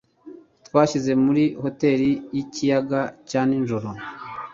Twashyize muri hoteri yikiyaga cya nijoro.